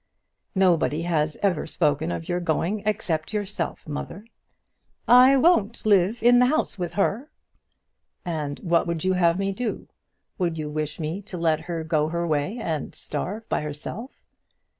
"Nobody has ever spoken of your going except yourself, mother." "I won't live in the house with her." "And what would you have me do? Would you wish me to let her go her way and starve by herself?"